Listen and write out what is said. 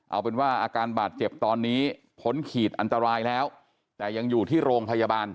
เอาเป็นว่าอาการบาดเจ็บตอนนี้พ้นขีดอันตรายแล้วแต่ยังอยู่ที่โรงพยาบาล